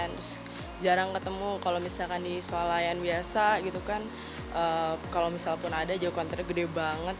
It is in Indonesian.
jadi kalau misalnya ada produk yang jarang ketemu kalau misalkan di soal layan biasa gitu kan kalau misal pun ada jawaban tergede banget